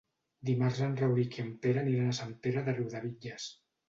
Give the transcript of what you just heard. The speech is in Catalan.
Dimarts en Rauric i en Pere aniran a Sant Pere de Riudebitlles.